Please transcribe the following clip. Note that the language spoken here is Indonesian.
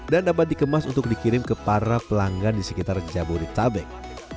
dan dapat dikemas untuk dikirim ke para pelanggan di sekitar jabodetabek